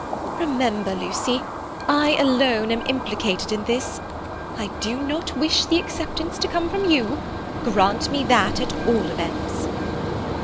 "Remember, Lucy, I alone am implicated in this. I do not wish the acceptance to come from you. Grant me that, at all events."